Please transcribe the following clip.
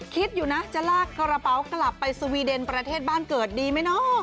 คิดอยู่นะจะลากกระเป๋ากลับไปสวีเดนประเทศบ้านเกิดดีไหมเนาะ